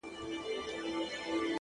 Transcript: یوه ورځ به دي چیچي _ پر سپینو لېچو _